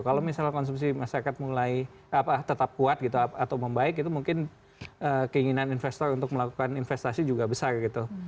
kalau misalnya konsumsi masyarakat mulai tetap kuat gitu atau membaik itu mungkin keinginan investor untuk melakukan investasi juga besar gitu